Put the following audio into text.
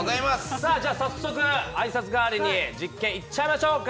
早速、あいさつ代わりに実験いっちゃいましょうか。